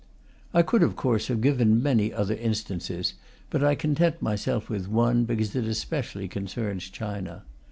I could of course have given many other instances, but I content myself with one, because it especially concerns China.